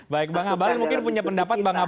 baik bang abalin mungkin punya pendapat